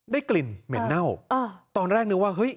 กลิ่นเหม็นเน่าตอนแรกนึกว่าเฮ้ย